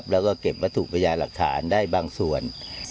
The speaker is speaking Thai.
แล้วก็เก็บวัตถุพยานหลักฐานได้บางส่วน